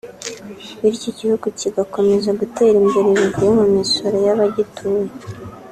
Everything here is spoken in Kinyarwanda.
bityo igihugu kigakomeza gutera imbere bivuye mu misoro y’abagituye